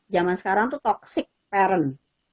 jaman sekarang itu toxic parent